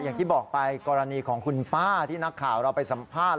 อย่างที่บอกไปกรณีของคุณป้าที่นักข่าวเราไปสัมภาษณ์